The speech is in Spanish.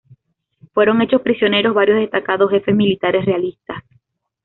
Fueron hechos prisioneros varios destacados jefes militares realistas.